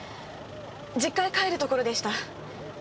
実家へ帰るところでした。